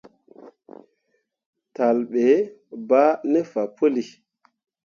Talle ɓe bah ne fah puli.